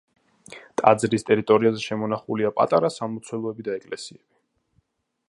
ტაძრის ტერიტორიაზე შემონახულია პატარა სამლოცველოები და ეკლესიები.